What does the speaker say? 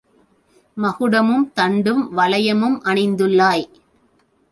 மகுடமும், தண்டும், வலயமும் அணிந்துள்ளாய்.